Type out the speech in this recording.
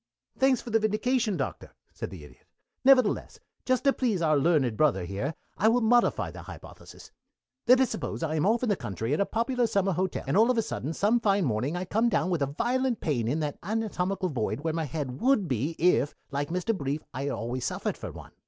"Thanks for the vindication, Doctor," said the Idiot. "Nevertheless, just to please our learned brother here, I will modify the hypothesis. "Let us suppose that I am off in the country at a popular summer hotel, and all of a sudden some fine morning I come down with a violent pain in that anatomical void where my head would be if, like Mr. Brief, I always suffered from one.